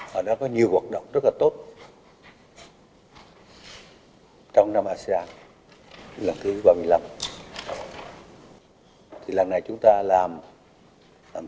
nó đã có nhiều hoạt động rất là tốt trong năm asean lần thứ ba mươi năm thì lần này chúng ta làm làm